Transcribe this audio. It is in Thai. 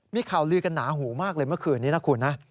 มีข่าวลือกันหนาหูมากเลยเมื่อคืนนี้นะคุณนะ